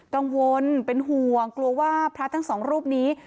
กังวลเป็นห่วงกลัวว่าพระทั้งสองรูปนี้